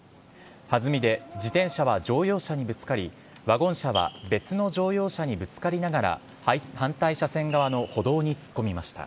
はずみで自転車は乗用車にぶつかり、ワゴン車は別の乗用車にぶつかりながら、反対車線側の歩道に突っ込みました。